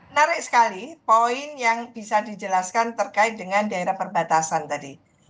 menarik sekali poin yang bisa dijelaskan terkait dengan daerah perbatasan tadi